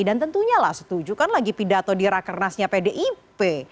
dan tentunya lah setuju kan lagi pidato di rakernasnya pdip